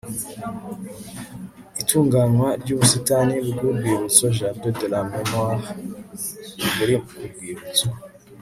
itunganywa ry ubusitani bw urwibutso Jardin de la m moire buri ku rwibutso